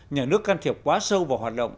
nhà nước can thiệp quá sâu vào hoạt động